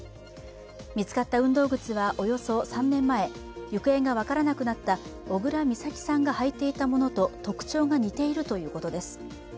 見つかった運動靴はおよそ３年前、行方が分からなくなった小倉美咲さんが履いていたものと特徴が似ているということです。